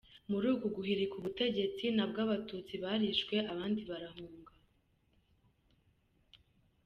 Muri uko guhirika ubutegetsi nabwo abatutsi barishwe abandi barahunga.